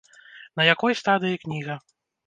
На якой стадыі кніга?